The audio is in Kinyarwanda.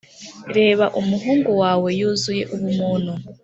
reba umuhungu wawe yuzuye ubuntu